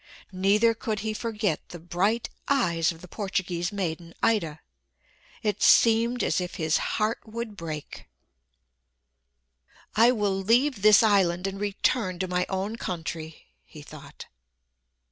Neither could he forget the bright eyes of the Portuguese maiden Ida. It seemed as if his heart would break. "I will leave this island and return to my own country," he thought.